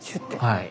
はい。